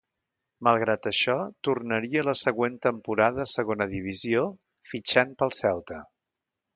Malgrat això, tornaria la següent temporada a Segona Divisió, fitxant pel Celta.